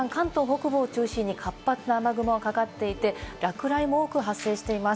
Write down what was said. この時間、関東北部を中心に活発な雨雲がかかっていて、落雷も多く発生しています。